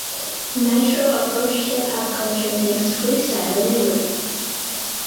Nitro approached hip hop culture thanks to freestyle in Italy.